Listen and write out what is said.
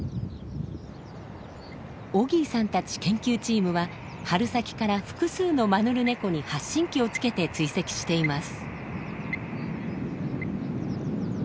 オギーさんたち研究チームは春先から複数のマヌルネコに発信器をつけて追跡しています。